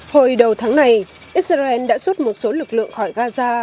hồi đầu tháng này israel đã rút một số lực lượng khỏi gaza